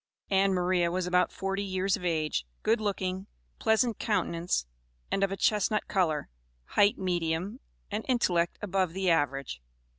Ann Maria was about forty years of age, good looking, pleasant countenance, and of a chestnut color, height medium, and intellect above the average.